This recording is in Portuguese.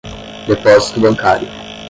depósito bancário